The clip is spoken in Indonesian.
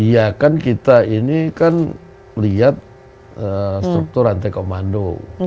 iya kan kita ini kan lihat struktur rantai komando